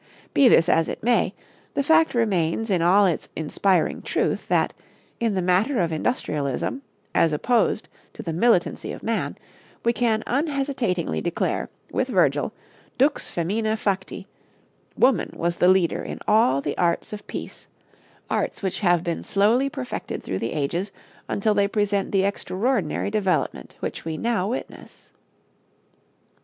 Be this as it may, the fact remains in all its inspiring truth that, in the matter of industrialism, as opposed to the militancy of man, we can unhesitatingly declare, with Virgil, Dux femina facti woman was the leader in all the arts of peace arts which have been slowly perfected through the ages until they present the extraordinary development which we now witness.